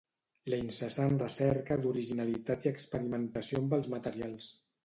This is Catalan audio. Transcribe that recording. La incessant recerca d'originalitat i experimentació amb els materials.